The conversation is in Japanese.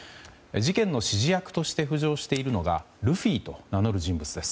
事件の指示役として浮上しているのがルフィと名乗る人物です。